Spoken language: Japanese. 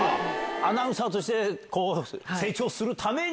アナウンサーとして成長するために。